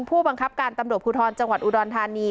ผู้บังคับการตำรวจภูทรจังหวัดอุดรธานี